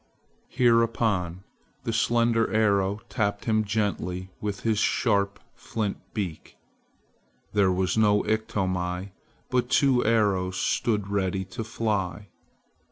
Hereupon the slender arrow tapped him gently with his sharp flint beak. There was no Iktomi, but two arrows stood ready to fly.